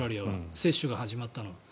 接種が始まったのは。